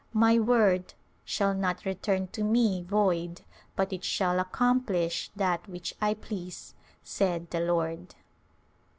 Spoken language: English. " My Word ... shall not return to Me void but it shall accomplish that which I please, saith the Lord."